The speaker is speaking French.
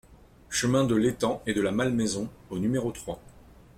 Chemin de l'Étang et de la Malmaison au numéro trois